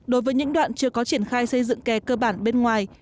đối với những đoạn chưa có triển khai xây dựng kè cơ bản bên ngoài